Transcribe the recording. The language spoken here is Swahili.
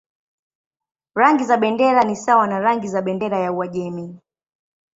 Rangi za bendera ni sawa na rangi za bendera ya Uajemi.